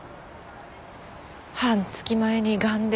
半月前にがんで。